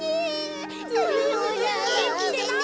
げんきでな。